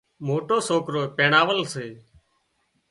موٽِو سوڪرو پينڻاول سي